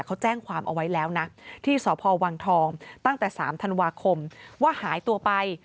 เขาแจ้งความเอาไว้แล้วนะที่สพวังทองตั้งแต่๓ธันวาคมว่าหายตัวไป